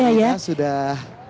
dan yang ini sudah